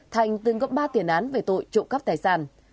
thành từng góp ba tiền án về tội trụng cấp tài sản